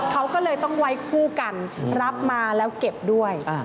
เขาก็เลยต้องไว้คู่กันรับมาแล้วเก็บด้วย